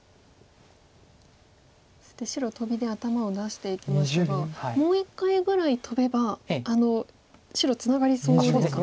そして白トビで頭を出していきましたがもう一回ぐらいトベば白ツナガりそうですか？